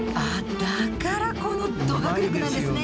だからこのド迫力なんですね。